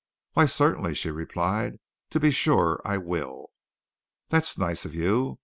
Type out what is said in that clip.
"Why, certainly," she replied. "To be sure, I will!" "That's nice of you.